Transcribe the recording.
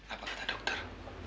apa maksudnya dokter